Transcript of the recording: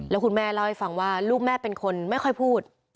แล้วคุณแม่เล่าให้ฟังว่าลูกแม่เป็นคนไม่ค่อยพูด